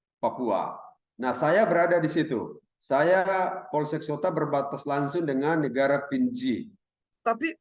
di papua nah saya berada di situ saya polsek sota berbatas langsung dengan negara pinji tapi